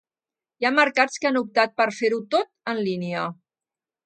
Hi ha mercats que han optat per fer-ho tot en línia.